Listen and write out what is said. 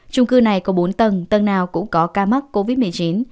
trung cư này có bốn tầng tầng nào cũng có ca mắc covid một mươi chín